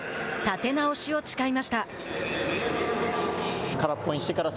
立て直しを誓いました。